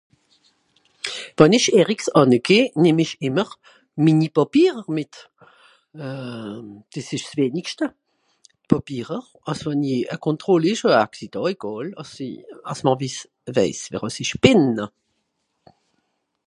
Wenn ìch erricks ànne geh nemm ìch ìmmer minni Pàpierer mìt. Euh... dìs ìsch s'wenigschte. Pàpierer (...) e Kontrol hesch odder e Accident egàl, àss sie, àss mr wiss... wèis wer àss ìch bìn.